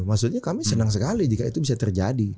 maksudnya kami senang sekali jika itu bisa terjadi